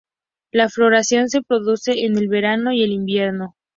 La floración se produce en el verano y el invierno.